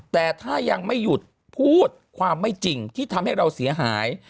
แต่ถ้ายังไม่หยุดพูดความไม่จริงที่ทำให้เราเสียหาย